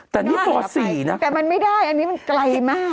แต่มันไม่ได้อันนี้มันไกลมาก